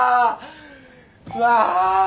うわ！